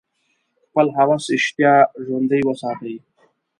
خپل هوس اشتها ژوندۍ وساتي.